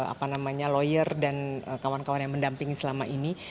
apa namanya lawyer dan kawan kawan yang mendampingi selama ini